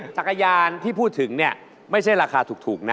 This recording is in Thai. จักรยานที่พูดถึงเนี่ยไม่ใช่ราคาถูกนะ